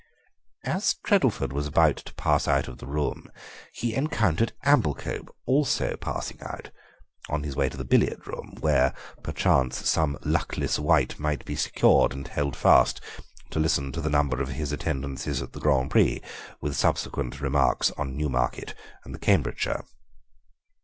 As Treddleford was about to pass out of the room he encountered Amblecope, also passing out, on his way to the billiard room, where, perchance, some luckless wight might be secured and held fast to listen to the number of his attendances at the Grand Prix, with subsequent remarks on Newmarket and the Cambridgeshire.